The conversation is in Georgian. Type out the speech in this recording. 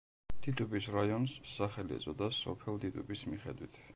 დიდუბის რაიონს სახელი ეწოდა სოფელ დიდუბის მიხედვით.